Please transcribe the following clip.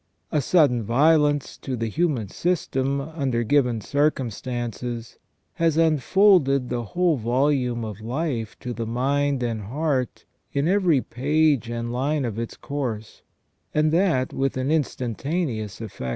A sudden violence to the human system, under given circumstances, has unfolded the whole volume of life to the mind and heart in every page and line of its course, and that with an instantaneous effect.